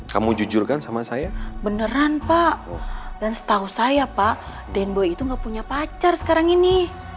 kamu jujurkan sama saya beneran pak dan setahu saya pak den boy itu gak punya pacar sekarang ini